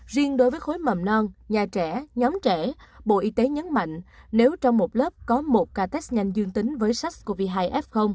riêng đối với khối mầm non nhà trẻ nhóm trẻ bộ y tế nhấn mạnh nếu trong một lớp có một ca test nhanh dương tính với sars cov hai f